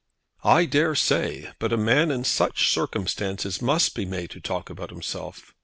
"I dare say. But a man in such circumstances must be made to talk about himself.